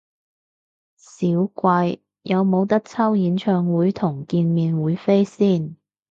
少貴，有無得抽演唱會同見面會飛先？